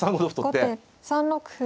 後手３六歩。